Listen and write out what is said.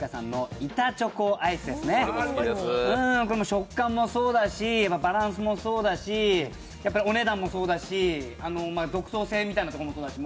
食感もそうだし、バランスもそうだし、お値段もそうだし、独創性みたいなところもそうだし、